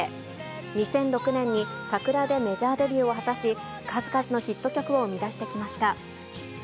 ２００６年にＳＡＫＵＲＡでメジャーデビューを果たし、数々のヒット曲を生み出してきました。